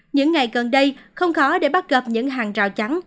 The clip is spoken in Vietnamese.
những ngày gần đây không khó để bắt gặp những hàng rào chắn